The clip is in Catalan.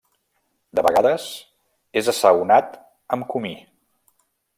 De vegades, és assaonat amb comí.